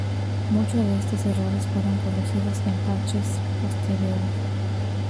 Muchos de estos errores fueron corregidos en parches posteriores.